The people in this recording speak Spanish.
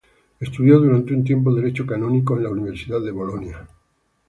Estudió durante un tiempo derecho canónico en la Universidad de Bolonia.